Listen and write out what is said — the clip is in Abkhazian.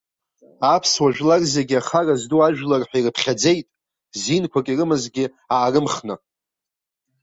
Аԥсуа жәлар зегьы ахара зду ажәлар ҳәа ирыԥхьаӡеит, зинқәак ирымазгьы аарымхны.